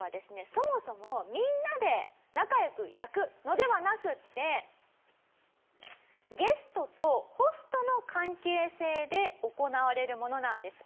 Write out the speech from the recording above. そもそもみんなで仲良く焼くのではなくってゲストとホストの関係性で行われるものなんです。